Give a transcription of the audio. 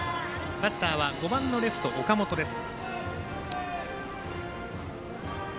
バッターは５番のレフト、岡本です。